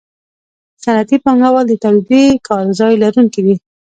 صنعتي پانګوال د تولیدي کارځای لرونکي دي